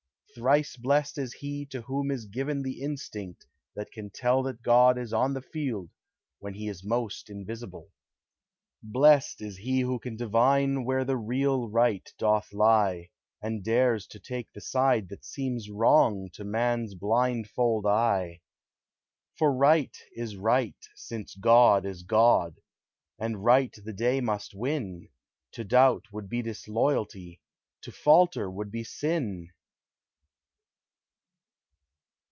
Thrice blest is he to whom is given The instinct that can tell That God is on the field when he Is most invisible. Blest, is he who can divine Where the real right doth lie, And dares to take the side that seems Wrong to man's blindfold eye. For right is right, since God is God; And right the day must win ; To doubt would be disloyalty, To falter would be sin